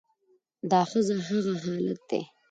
دا ښځه هغه حالت دى